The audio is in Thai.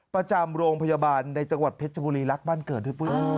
ประจำโรงพยาบาลในจังหวัดเพชรบุรีรักบ้านเกิดด้วยปุ้ย